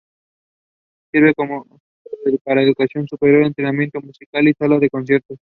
Sirve como centro para educación superior, entrenamiento musical, y sala de conciertos.